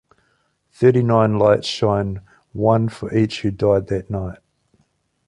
Thirty-nine lights shine, one for each who died that night.